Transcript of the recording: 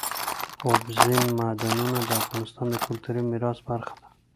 اوبزین معدنونه د افغانستان د کلتوري میراث برخه ده.